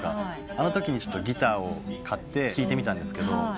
あのときにギターを買って弾いてみたんですけど。